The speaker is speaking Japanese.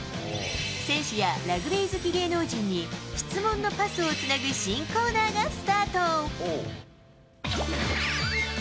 選手やラグビー好き芸能人に質問のパスをつなぐ新コーナーがスタート。